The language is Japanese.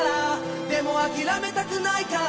「でも諦めたくないから」